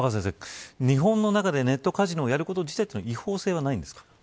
日本の中でネットカジノをやること自体には違法性はないんですか。